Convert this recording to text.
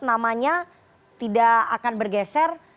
namanya tidak akan bergeser